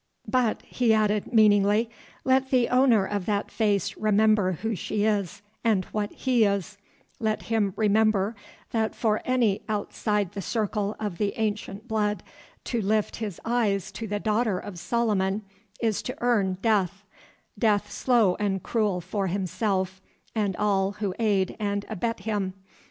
But," he added meaningly, "let the owner of that face remember who she is and what he is; let him remember that for any outside the circle of the ancient blood to lift his eyes to the daughter of Solomon is to earn death, death slow and cruel for himself and all who aid and abet him.